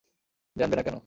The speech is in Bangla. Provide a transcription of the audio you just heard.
জানবে না কেন।